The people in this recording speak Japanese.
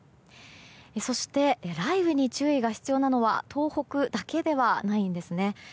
そして、雷雨に注意が必要なのは東北だけではないんですね。